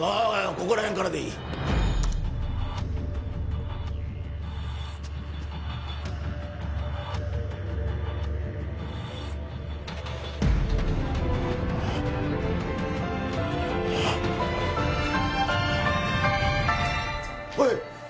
ここらへんからでいいおい！